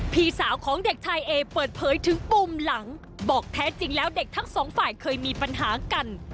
พี่สาวของเด็กชายเอเปิดเผยถึงปุ่มหลังบอกแท้จริงแล้วเด็กทั้งสองฝ่ายเคยมีปัญหากัน